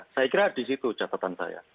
saya kira disitu catatan saya